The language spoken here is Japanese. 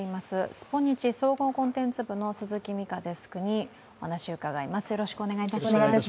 「スポニチ」総合コンテンツ部の鈴木美香デスクにお話を伺います。